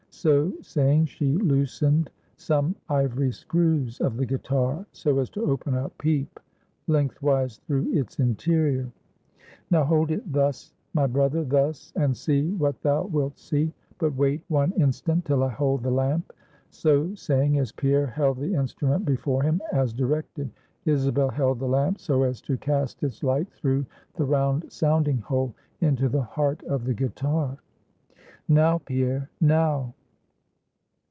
So saying she loosened some ivory screws of the guitar, so as to open a peep lengthwise through its interior. "Now hold it thus, my brother; thus; and see what thou wilt see; but wait one instant till I hold the lamp." So saying, as Pierre held the instrument before him as directed, Isabel held the lamp so as to cast its light through the round sounding hole into the heart of the guitar. "Now, Pierre, now."